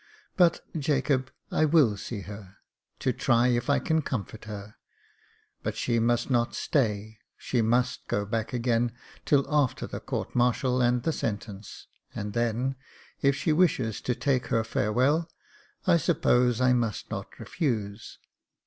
But, Jacob, I will see her, to try if I can comfort her — but she must not stay ; she must go back again till after the court martial, and the sentence, and then — if she wishes to take her farewell, I suppose I must not refuse."